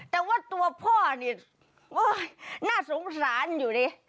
แต่ว่าตัวพ่อนี่น่าสงสารอยู่ดิ